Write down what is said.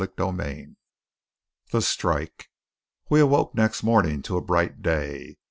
CHAPTER XXII THE STRIKE We awoke next morning to a bright day.